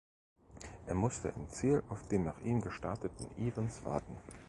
Er musste im Ziel auf den nach ihm gestarteten Evans warten.